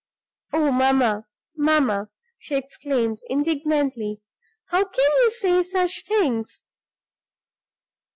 "Oh, mamma, mamma," she exclaimed, indignantly, "how can you say such things!"